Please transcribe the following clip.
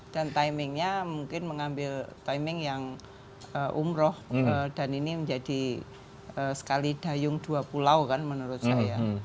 dan timingnya mungkin mengambil timing yang umroh dan ini menjadi sekali dayung dua pulau kan menurut saya